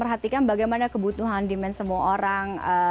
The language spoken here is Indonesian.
perhatikan bagaimana kebutuhan demand semua orang